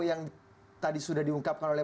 yang tadi sudah diungkapkan oleh